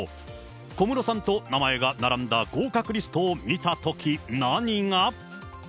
小室さんと名前が並んだ合格リストを見たとき、何が？